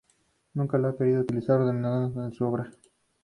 Nunca ha querido utilizar ordenadores en su obra.